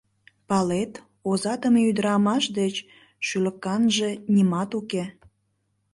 Палет, озадыме ӱдырамаш деч шӱлыканже нимат уке.